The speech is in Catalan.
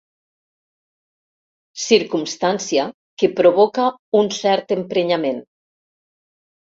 Circumstància que provoca un cert emprenyament.